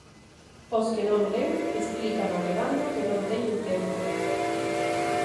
Os que non len explícano alegando que non teñen tempo.